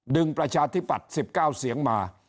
ดึงประชาธิบัติ๑๙เสียงมา